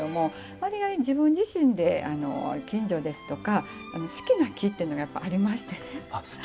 割合、自分自身で近所ですとか好きな木っていうのがやっぱりありましてね。